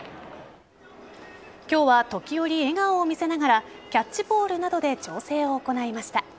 今日は時折笑顔を見せながらキャッチボールなどで調整を行いました。